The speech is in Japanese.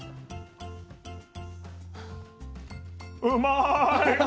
うまいッ！